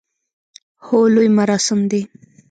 هو، لوی مراسم دی